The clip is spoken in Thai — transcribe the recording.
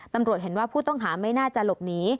ตำรวจเห็นว่าผู้ต้องหาไม่น่าจะหลบหนี